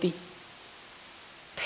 theo hướng tổng thể